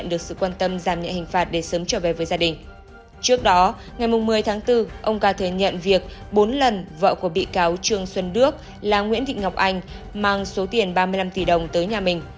ngày một mươi tháng bốn ông ca thời nhận việc bốn lần vợ của bị cáo trương xuân đước là nguyễn thị ngọc anh mang số tiền ba mươi năm tỷ đồng tới nhà mình